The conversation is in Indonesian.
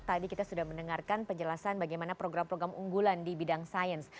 tadi kita sudah mendengarkan penjelasan bagaimana program program unggulan di bidang sains